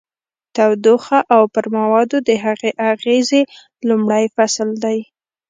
تودوخه او پر موادو د هغې اغیزې لومړی فصل دی.